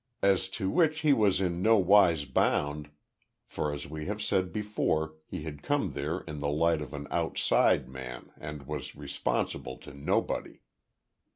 As to which he was in nowise bound for as we have said before, he had come there in the light of an "outside" man, and was responsible to nobody.